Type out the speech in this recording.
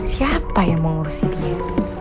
siapa yang mengurusi dia